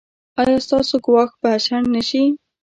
ایا ستاسو ګواښ به شنډ نه شي؟